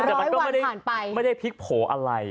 แต่มันก็ไม่ได้พลิกโผล่อะไร